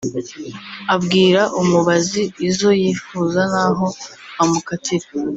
abwira umubazi izo yifuza n’aho amukatira